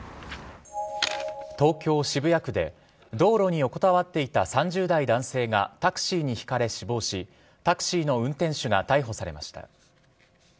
東京・渋谷区で、道路に横たわっていた３０代男性がタクシーにひかれ、死亡し、タクシーの運転手が逮捕されました。